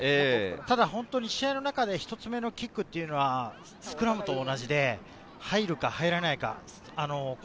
ただ本当に試合の中で１つ目のキックというのは、スクラムと同じで入るか入らないか。